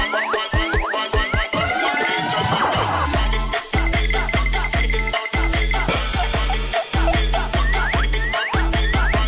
พี่แม่